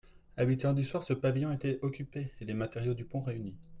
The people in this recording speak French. A huit heures du soir, ce pavillon était occupé, et les matériaux du pont réunis.